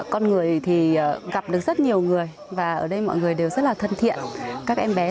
con người thì gặp được rất nhiều người và ở đây mọi người đều rất là thân thiện các em bé rất là dễ thương